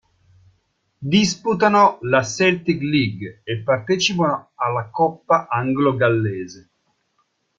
Disputano la Celtic League, e partecipano alla Coppa Anglo-Gallese.